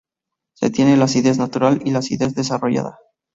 Se tiene la acidez natural y la acidez desarrollada.